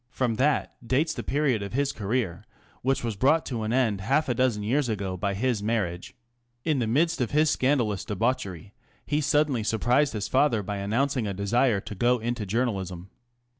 From that dates the period of his career, which was brought to an end half a dozen years ago by his marriage. In the midst of his scandalous debauchery he suddenly surprised his father by announcing a desire to go into journalism.